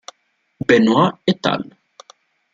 Benoit "et al.